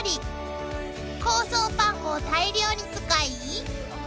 ［香草パン粉を大量に使い］